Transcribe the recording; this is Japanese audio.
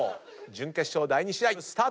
準決勝第２試合スタート！